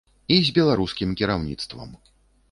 І з беларускім кіраўніцтвам.